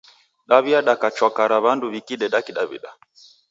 Daw'iadaka chwaka ra w'andu w'ikideda kidaw'ida.